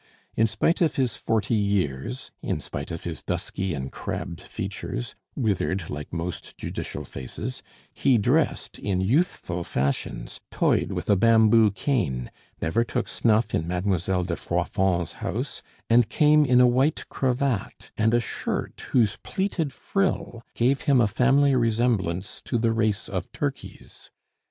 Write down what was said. In spite of his forty years, in spite of his dusky and crabbed features, withered like most judicial faces, he dressed in youthful fashions, toyed with a bamboo cane, never took snuff in Mademoiselle de Froidfond's house, and came in a white cravat and a shirt whose pleated frill gave him a family resemblance to the race of turkeys.